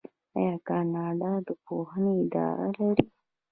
آیا کاناډا د پوهنې اداره نلري؟